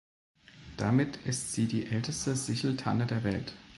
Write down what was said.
Damit ist sie die älteste Sicheltanne der Welt.